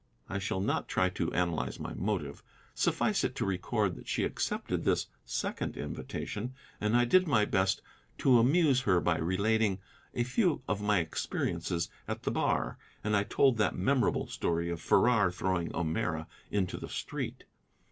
I shall not try to analyze my motive. Suffice it to record that she accepted this second invitation, and I did my best to amuse her by relating a few of my experiences at the bar, and I told that memorable story of Farrar throwing O'Meara into the street.